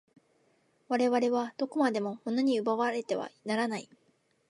我々はどこまでも物に奪われてはならない。